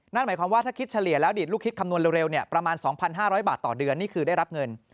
นั่นหมายความว่าถ้าคิดเฉลี่ยแล้วอดีตลูกคิดคำนวณเร็วประมาณ๒๕๐๐บาทต่อเดือนนี่คือได้รับเงิน